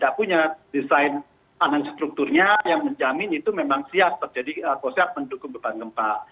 tidak punya desain anan strukturnya yang menjamin itu memang siap terjadi atau siap mendukung beban gempa